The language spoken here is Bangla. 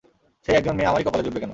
সেই একজন মেয়ে আমারই কপালে জুটবে কেন?